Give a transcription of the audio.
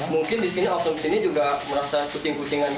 mungkin di sini ofnum ofnum ini juga merasa kucing kucingan gitu